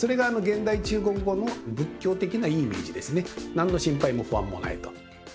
何の心配も不安もないと。